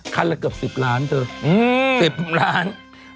คันละเกือบ๑๐ล้านเธอ๑๐ล้าน